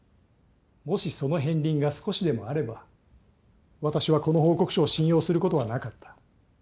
もしその片りんが少しでもあれば私はこの報告書を信用することはなかった。